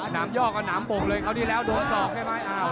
น้ำยอกเอาน้ำปกเลยคราวนี้แล้วโดงสอกไปไหม